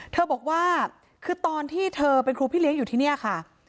เธอบอกว่าคือตอนที่เธอเป็นครูพี่เลี้ยงอยู่ที่นี่ค่ะ